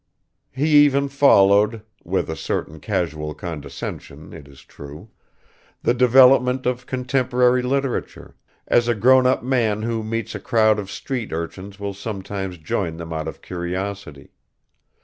He even followed (with a certain casual condescension, it is true) the development of contemporary literature as a grown up man who meets a crowd of street urchins will sometimes join them out of curiosity.